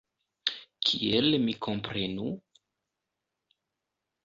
Kiel mi komprenu?